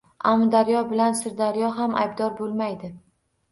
Amudaryo bilan Sirdaryo ham aybdor bo‘lmaydi.